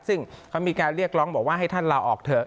ซึ่งเขามีการเรียกร้องบอกว่าให้ท่านลาออกเถอะ